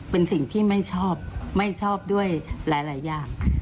เป็นสิ่งที่ไม่ชอบไม่ชอบด้วยหลายอย่าง